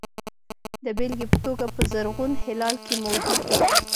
د بېلګې په توګه په زرغون هلال کې موجود وو.